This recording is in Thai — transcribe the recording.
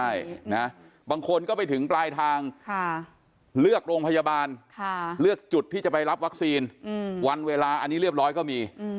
ใช่นะบางคนก็ไปถึงปลายทางเลือกโรงพยาบาลเลือกจุดที่จะไปรับวัคซีนวันเวลาอันนี้เรียบร้อยก็มี